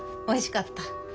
おいしかった。